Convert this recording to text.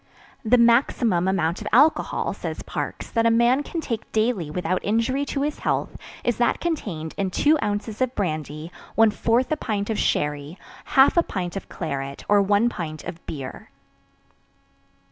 The maximum amount of alcohol, says Parkes, that a man can take daily without injury to his health is that contained in 2 oz. Brandy, 1/4 pt. of sherry, 1/2 pt. of claret, or 1 pt. of beer.